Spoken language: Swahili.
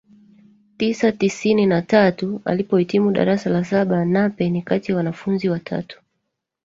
tisa tisini na tatu alipohitimu darasa la saba Nape ni kati ya wanafunzi watatu